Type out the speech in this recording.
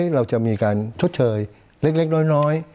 เราจะมีการชดเชยเล็กน้อย